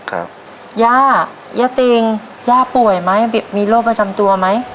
ครับย่าย่าติงย่าป่วยไหมมีโรคประจำตัวไหม